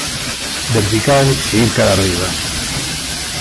Vertical e ir cara a arriba.